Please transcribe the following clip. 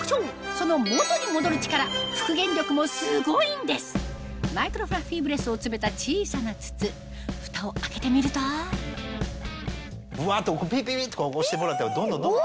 その元に戻る力マイクロフラッフィーブレスを詰めた小さな筒ふたを開けてみるとぶわっとピピピっと押してもらったらどんどんどんどん。